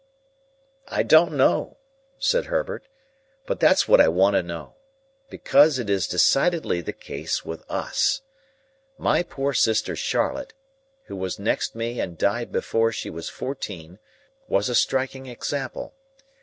"I don't know," said Herbert, "that's what I want to know. Because it is decidedly the case with us. My poor sister Charlotte, who was next me and died before she was fourteen, was a striking example.